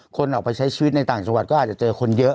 คนออกไปใช้ชีวิตในต่างจังหวัดก็อาจจะเจอคนเยอะ